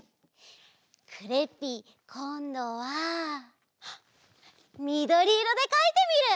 クレッピーこんどはみどりいろでかいてみる！